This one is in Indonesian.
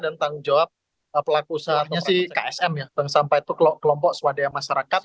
dan tanggung jawab pelaku usahanya si ksm ya bank sampah itu kelompok swadaya masyarakat